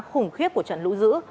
khủng khiếp của trận lũ dữ